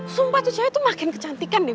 sumpah itu cewe tuh makin kecantikan deh